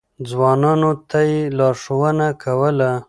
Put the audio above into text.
ځوانانو ته يې لارښوونه کوله.